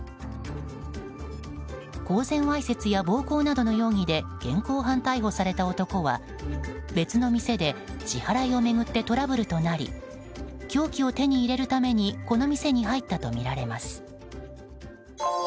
公然わいせつや暴行などの容疑で現行犯逮捕された男は別の店で支払いを巡ってトラブルとなり凶器を手に入れるためにこの店に入ったとみられます。